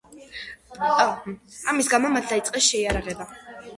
ამის გამო, მათ დაიწყეს შეიარაღება.